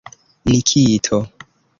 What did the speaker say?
Nikito!